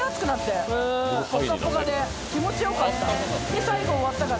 で最後終わったら。